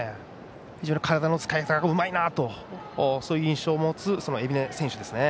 非常に体の使い方がうまいなという印象を持つ海老根選手ですね。